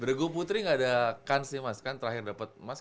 beragum putri gak ada kans nih mas kan terakhir dapet emas ya